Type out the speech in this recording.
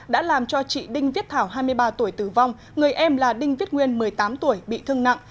đã làm cho chị đinh viết thảo hai mươi ba tuổi tử vong người em là đinh viết nguyên một mươi tám tuổi bị thương nặng